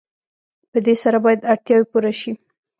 په دې سره باید اړتیاوې پوره شي.